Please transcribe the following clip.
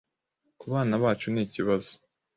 ku bana bacu nikibazo